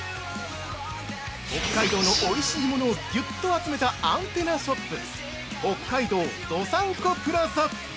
北海道のおいしいものをぎゅっと集めたアンテナショップ「北海道どさんこプラザ」！